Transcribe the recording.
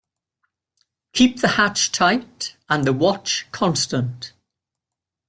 Keep the hatch tight and the watch constant.